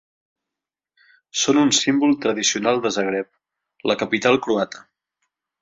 Són un símbol tradicional de Zagreb, la capital croata.